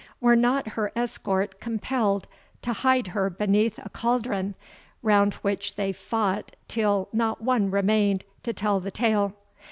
Were not her escort compelled to hide her beneath a cauldron, round which they fought till not one remained to tell the tale?